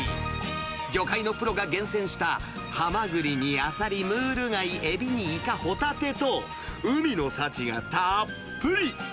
魚介のプロが厳選したハマグリにアサリ、ムール貝、エビにイカ、ホタテと、海の幸がたーっぷり。